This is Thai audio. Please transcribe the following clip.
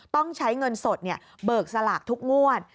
ต้องใช้เงินสดเบิกสลากทุกงวด